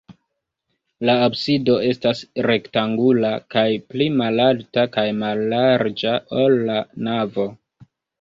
La absido estas rektangula kaj pli malalta kaj mallarĝa, ol la navo.